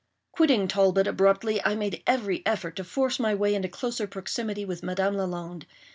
Quitting Talbot abruptly, I made every effort to force my way into closer proximity with Madame Lalande.